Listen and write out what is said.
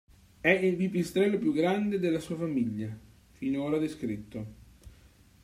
È il pipistrello più grande della sua famiglia, finora descritto.